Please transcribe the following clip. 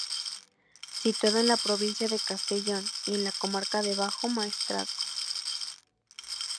Situado en la provincia de Castellón y en la comarca del Bajo Maestrazgo.